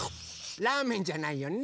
ラーメンじゃないよね！